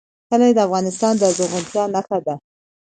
کلي د افغانستان د زرغونتیا نښه ده.